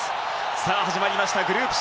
さあ、始まりましたグループＣ